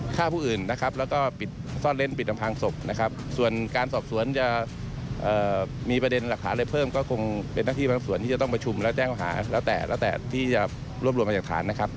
การสอบสวนจะมีประเด็นหลักฐานอะไรเพิ่มก็คงเป็นหน้าที่ภารกิจส่วนที่จะต้องประชุมและแจ้งภาคแล้วแต่แล้วแต่ที่จะรวบรวมมาจากฐานนะครับ